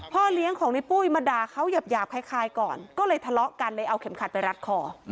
เลี้ยงของในปุ้ยมาด่าเขาหยาบคล้ายก่อนก็เลยทะเลาะกันเลยเอาเข็มขัดไปรัดคอ